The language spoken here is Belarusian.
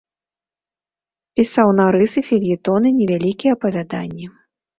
Пісаў нарысы, фельетоны, невялікія апавяданні.